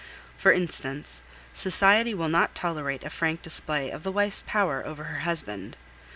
For instance, society will not tolerate a frank display of the wife's power over her husband.